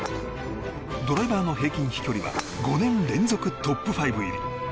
ドライバーの平均飛距離は５年連続トップ５入り。